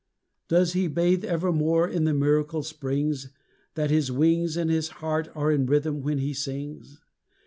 Does he bathe evermore in the miracle springs, That his wings and his heart are in rhythm when he sings?